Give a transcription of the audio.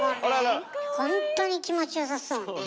ほんとに気持ちよさそうね。